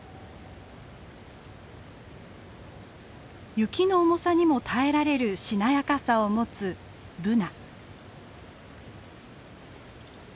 雪の重さにも耐えられるしなやかさを持つブナ。